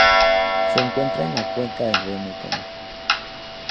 Se encuentra en la cuenca del río Mekong.